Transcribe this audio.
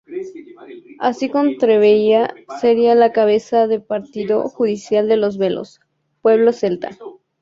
Así Contrebia sería la cabeza de partido judicial de los Belos, pueblo celta.